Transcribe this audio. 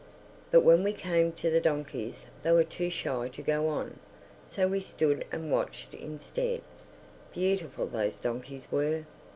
But when we came to the donkeys they were too shy to go on. So we stood and watched instead. Beautiful those donkeys were!